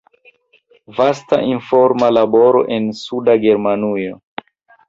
Vasta informa laboro en Suda Germanujo.